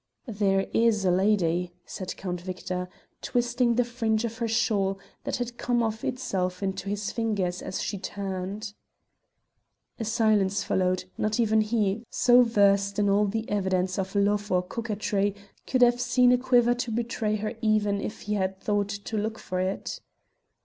"There is a lady," said Count Victor, twisting the fringe of her shawl that had come of itself into his fingers as she turned. A silence followed; not even he, so versed in all the evidence of love or coquetry, could have seen a quiver to betray her even if he had thought to look for it.